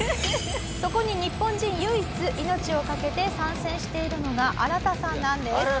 そこに日本人唯一命を懸けて参戦しているのがアラタさんなんです。